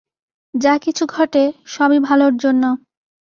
যা কিছু ঘটে, সবই ভালর জন্য।